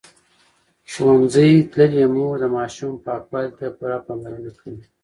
ښوونځې تللې مور د ماشوم پاکوالي ته پوره پاملرنه کوي.